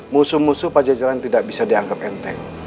musuh musuh pajajaran tidak bisa dianggap enteng